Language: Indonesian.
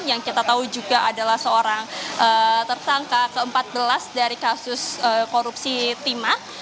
yang kita tahu juga adalah seorang tersangka ke empat belas dari kasus korupsi timah